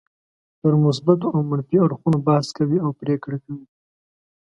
پر مثبتو او منفي اړخونو بحث کوي او پرېکړه کوي.